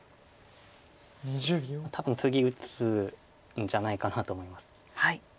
多分次打つんじゃないかなと思います。